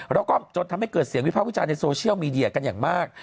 แล้วก็จนทำให้เกิดเสียงวิภาควิจารณ์ในโซเชียลมีเดียกันอย่างมาก